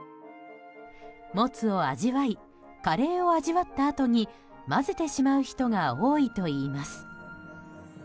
もつを味わいカレーを味わったあとに混ぜてしまう人が多いといいます。